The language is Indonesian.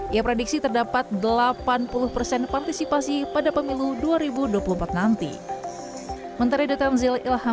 ia prediksi terdapat delapan puluh persen partisipasi pada pemilu dua ribu dua puluh empat nanti